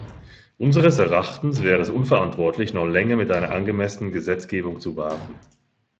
Unseres Erachtens wäre es unverantwortlich, noch länger mit einer angemessenen Gesetzgebung zu warten.